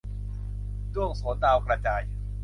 ด้วงโสน-ดาวกระจาย